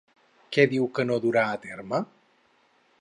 Què diu que no durà a terme?